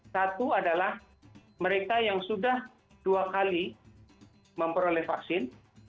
satu adalah mereka yang sudah dua kali memperoleh vaksin